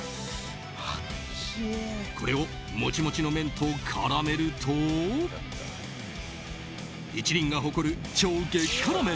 これをモチモチの麺と絡めると一輪が誇る超激辛麺